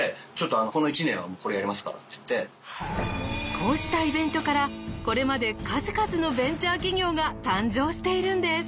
こうしたイベントからこれまで数々のベンチャー企業が誕生しているんです。